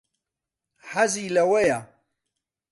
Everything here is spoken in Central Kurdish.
حەزی لەوەیە.